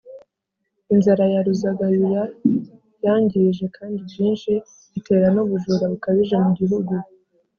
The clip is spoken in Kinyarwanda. Inzara ya Ruzagayura yangije kandi byinshi, itera n’ubujura bukabije mu gihugu.